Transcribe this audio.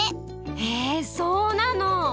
へえそうなの！